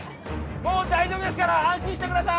もう大丈夫ですから安心してください！